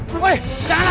woy jangan lari